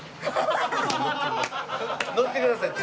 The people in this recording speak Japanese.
乗ってください。